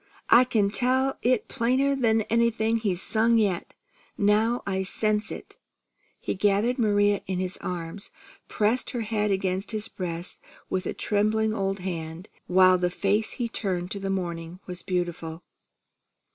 I can tell it plainer'n anything he's sung yet, now I sense it." He gathered Maria in his arms, pressed her head against his breast with a trembling old hand, while the face he turned to the morning was beautiful.